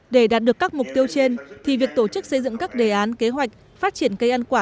để đạt được các mục tiêu trên thì việc tổ chức xây dựng các đề án kế hoạch phát triển cây ăn quả